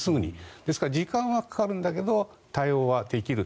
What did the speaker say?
ですから時間はかかるんだけど対応はできる。